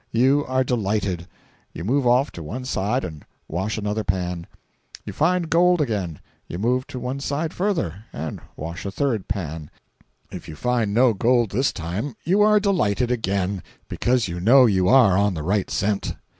You are delighted. You move off to one side and wash another pan. If you find gold again, you move to one side further, and wash a third pan. If you find no gold this time, you are delighted again, because you know you are on the right scent.